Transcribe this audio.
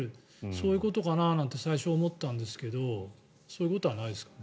そういうことかななんて最初思ったんですがそういうことはないですか？